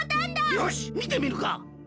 よしみてみるか。